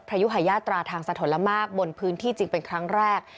ยุหายาตราทางสะทนละมากบนพื้นที่จริงเป็นครั้งแรก